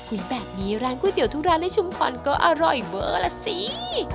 แบบนี้ร้านก๋วยเตี๋ทุกร้านในชุมพรก็อร่อยเวอร์ล่ะสิ